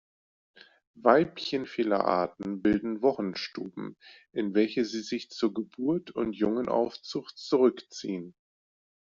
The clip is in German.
Weibchen vieler Arten bilden Wochenstuben, in welche sie sich zur Geburt und Jungenaufzucht zurückziehen.